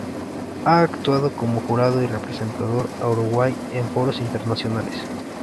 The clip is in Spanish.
Ha actuado como jurado y representado a Uruguay en foros internacionales.